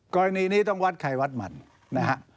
กรณีนี้ต้องวัดไขวัดมันนะครับ